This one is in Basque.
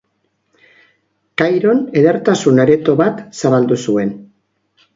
Kairon edertasun-areto bat zabaldu zuen.